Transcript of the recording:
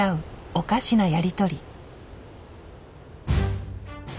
おかしなやり取り。